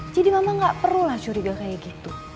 jadi mama gak perulah curiga kayak gitu